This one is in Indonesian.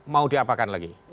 mau diapakan lagi